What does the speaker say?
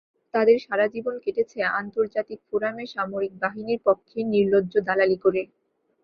তাঁদের সারা জীবন কেটেছে আন্তর্জাতিক ফোরামে সামরিক বাহিনীর পক্ষে নির্লজ্জ দালালি করে।